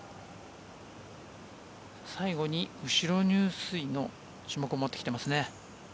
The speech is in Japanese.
最後に後ろ入水の種目を持ってきていますね。